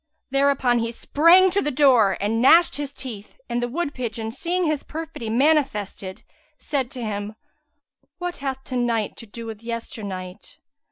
Thereupon he sprang to the door and gnashed his teeth, and the wood pigeon, seeing his perfidy manifested, said to him, "What hath to night to do with yester night?